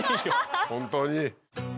本当に。